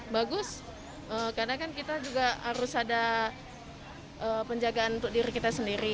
bagus karena kan kita juga harus ada penjagaan untuk diri kita sendiri